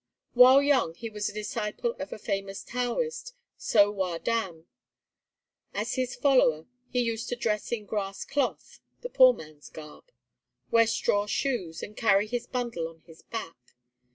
While young he was a disciple of a famous Taoist, So Wha dam. As his follower he used to dress in grass cloth (the poor man's garb), wear straw shoes and carry his bundle on his back.